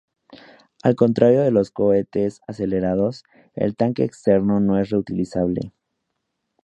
Al contrario que los cohetes aceleradores, el tanque externo no es reutilizable.